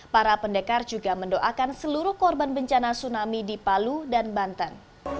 para pendekar juga mendoakan seluruh korban bencana tsunami di palu dan banten